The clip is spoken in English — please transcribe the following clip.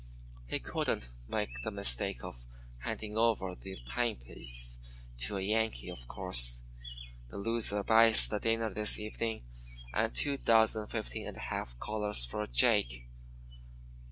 He couldn't make the mistake of handing over the timepiece to a Yankee, of course. The loser buys the dinner this evening and two dozen 15½ collars for Jake.